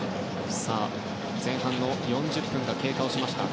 前半４０分が経過しました。